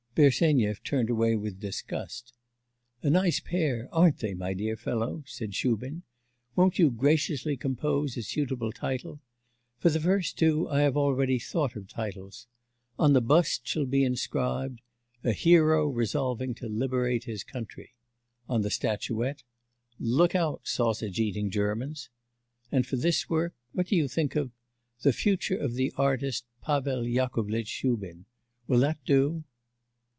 Bersenyev turned away with disgust. 'A nice pair, aren't they, my dear fellow?' said Shubin; 'won't you graciously compose a suitable title? For the first two I have already thought of titles. On the bust shall be inscribed: "A hero resolving to liberate his country." On the statuette: "Look out, sausage eating Germans!" And for this work what do you think of "The future of the artist Pavel Yakovlitch Shubin?" Will that do?